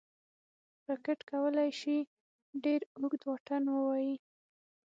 راکټ کولی شي ډېر اوږد واټن ووايي